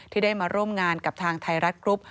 ที่ได้มาร่วมงานกับทางไทยรัฐกรุ๊ป